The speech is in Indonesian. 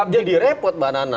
jadi repot mbak nana